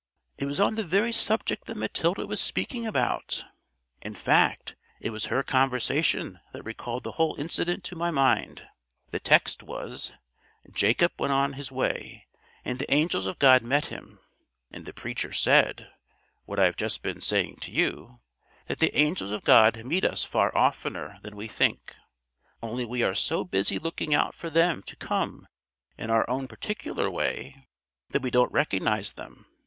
"It was on the very subject that Matilda was speaking about in fact, it was her conversation that recalled the whole incident to my mind. The text was, 'Jacob went on his way, and the angels of God met him'; and the preacher said what I've just being saying to you that the angels of God meet us far oftener than we think; only we are so busy looking out for them to come in our own particular way that we don't recognise them.